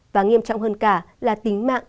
và nghiêm trọng hơn cả là tính mạng